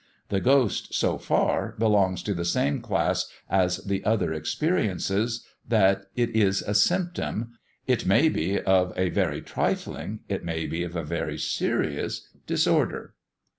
The ghost, so far, belongs to the same class as the other experiences, that it is a symptom it may be of a very trifling, it may be of a very serious, disorder."